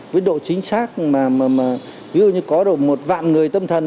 với độ chính xác mà ví dụ như có độ một vạn người tâm thần